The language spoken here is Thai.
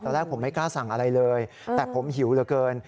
แรกผมไม่กล้าสั่งอะไรเลยแต่ผมหิวเหลือเกิน